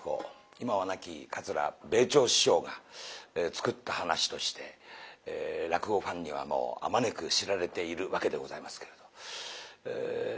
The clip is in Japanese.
今は亡き桂米朝師匠が作った噺として落語ファンにはもうあまねく知られているわけでございますけれど。